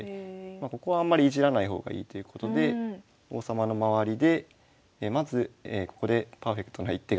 ここはあんまりいじらない方がいいということで王様の周りでまずここでパーフェクトな一手が。